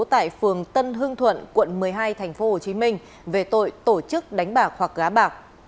tại phường tân hương thuận quận một mươi hai tp hcm về tội tổ chức đánh bạc hoặc gá bạc